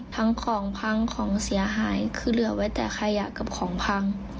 ทั้งของพังของเสียหายคือเหลือไว้แต่ขยะกับของพัง